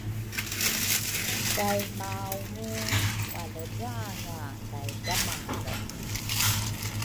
kay maungu wa-ledra-nga kay dramalre.